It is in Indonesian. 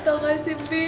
tau gak sih pip